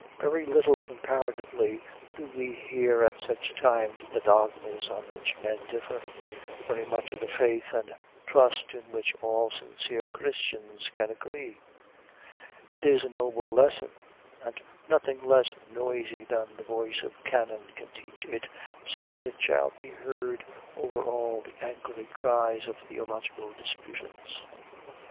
Very little comparatively do we hear at such times of the dogmas on which men differ; very much of the faith and trust in which all sincere Christians can agree. It is a noble lesson, and nothing less noisy than the voice of cannon can teach it so that it shall be heard over all the angry cries of theological disputants.